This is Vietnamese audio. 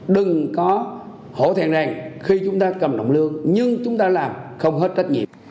đừng có hổ thèn rành khi chúng ta cầm nộp lương nhưng chúng ta làm không hết trách nhiệm